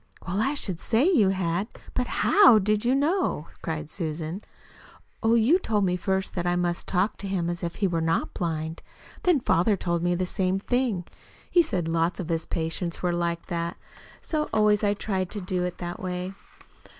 "Well, I should say you had. But HOW did you know how?" cried Susan. "Oh, you told me first that I must talk to him as if he were not blind. Then father told me the same thing. He said lots of his patients were like that. So I always tried to do it that way.